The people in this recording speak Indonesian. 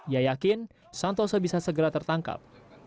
ia yakin santoso bisa segera tertangkap